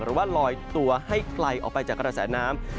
หรือว่าลอยตัวให้ไกลออกไปจากกระแสน้ำ